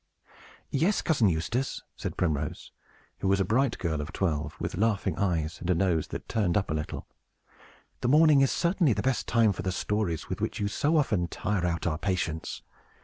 "Yes, Cousin Eustace," said Primrose, who was a bright girl of twelve, with laughing eyes, and a nose that turned up a little, "the morning is certainly the best time for the stories with which you so often tire out our patience.